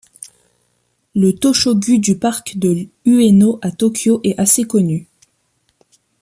Le Tōshō-gū du Parc de Ueno à Tokyo est assez connu.